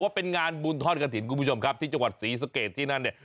เป็นงานบุญทอดกระถิ่นคุณผู้ชมครับที่จังหวัดศรีสะเกดที่นั่นเนี่ย